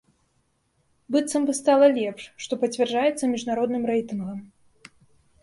Быццам бы стала лепш, што пацвярджаецца міжнародным рэйтынгам.